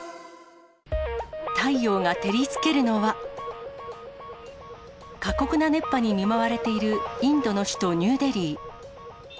太陽が照りつけるのは、過酷な熱波に見舞われているインドの首都ニューデリー。